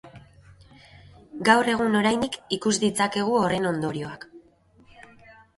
Gaur egun oraindik ikus ditzakegu horren ondorioak.